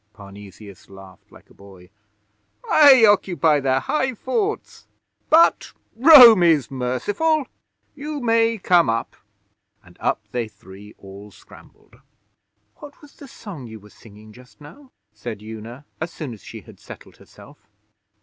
Parnesius laughed like a boy. 'I occupy their high forts. But Rome is merciful! You may come up.' And up they three all scrambled. 'What was the song you were singing just now?' said Una, as soon as she had settled herself.